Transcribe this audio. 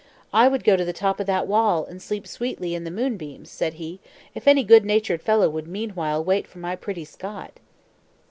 "I would go to the top of that wall, and sleep sweetly in the moonbeams," said he, "if any goodnatured fellow would meanwhile wait for my pretty Scot!"